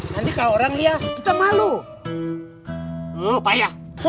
nanti kalau orang liat lo bakal jatuh